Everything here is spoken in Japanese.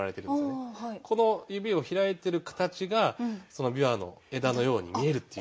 この指を開いてる形が枇杷の枝のように見えるっていう。